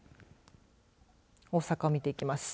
大阪を見ていきます。